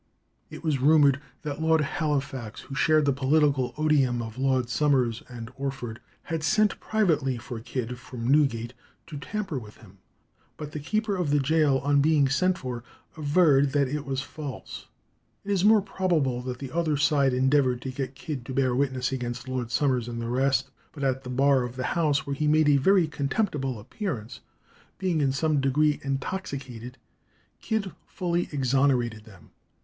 It was rumoured that Lord Halifax, who shared the political odium of Lord Somers and Orford, had sent privately for Kidd from Newgate to tamper with him, but "the keeper of the gaol on being sent for averred that it was false." It is more probable that the other side endeavoured to get Kidd to bear witness against Lord Somers and the rest; but at the bar of the House, where he made a very contemptible appearance, being in some degree intoxicated, Kidd fully exonerated them.